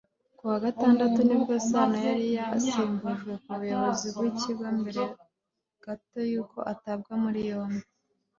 Kuwa Gatandatu nibwo Sano yari yasimbujwe ku buyobozi bw’iki kigo mbere gato y’uko atabwa muri yombi